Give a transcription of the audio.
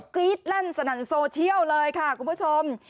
กรี๊ดลั่นสนั่นโซเชียลเลยค่ะคุณผู้ชม